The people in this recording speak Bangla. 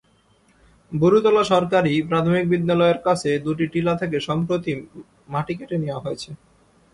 বুরুতলা সরকারি প্রাথমিক বিদ্যালয়ের কাছে দুটি টিলা থেকে সম্প্রতি মাটি কেটে নেওয়া হয়েছে।